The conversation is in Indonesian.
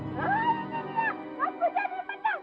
same daya cadang ket criminals